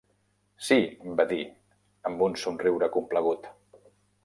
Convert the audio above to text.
"Sí", va dir, amb un somriure complagut.